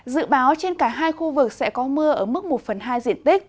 dự báo trên cả hai khu vực sẽ có mưa ở mức một phần hai diện tích